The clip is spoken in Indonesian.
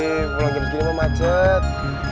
ih pulang jenis gini mah macet